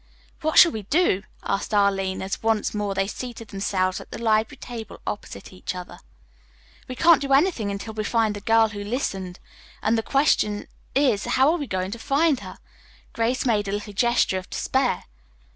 "What shall we do?" asked Arline as once more they seated themselves at the library table opposite each other. "We can't do anything until we find the girl who listened, and the question is how are we to find her?" Grace made a little gesture of despair.